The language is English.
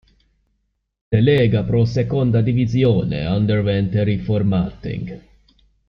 The Lega Pro Seconda Divisione underwent a reformatting.